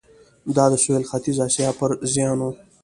دا د سوېل ختیځې اسیا پر زیان و.